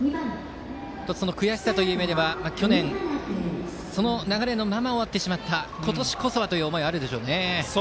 その悔しさという意味ではその流れのまま終わってしまったので今年こそはという思いもあるでしょうね。